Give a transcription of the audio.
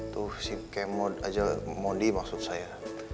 tuh si kek aja mondi maksud saya